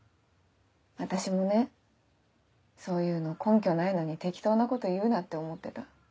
私もねそういうの根拠ないのに適当なこと言うなって思ってた。